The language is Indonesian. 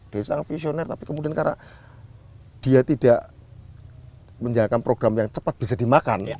dia sangat visioner tapi kemudian karena dia tidak menjalankan program yang cepat bisa dimakan